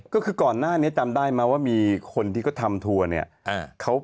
ก็คือก่อนหน้านี้จำได้มาว่ามีคนที่ก็ทำทลักษณะนี้